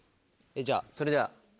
じゃあそれでは。